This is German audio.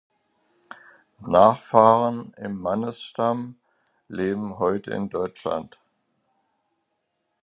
Nachfahren im Mannesstamm leben heute in Deutschland.